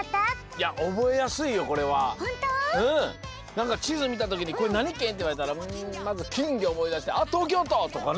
なんかちずみたときに「これなにけん？」っていわれたらまずきんぎょおもいだして「あっとうきょうと！」とかね。